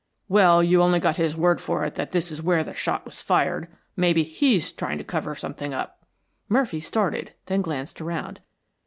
"Well, you only got his word for it that this is where the shot, was fired. Maybe HE'S trying to cover something up." Murphy started, then glanced around.